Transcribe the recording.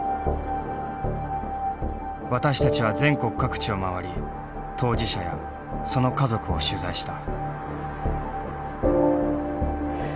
私たちは全国各地を回り当事者やその家族を取材した。